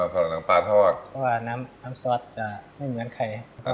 เพราะว่าน้ำซอสจะไม่เหมือนใคร